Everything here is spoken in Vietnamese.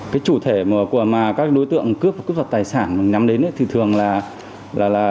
cái chủ thể mà các đối tượng cướp giật tài sản nhắm đến thì thường là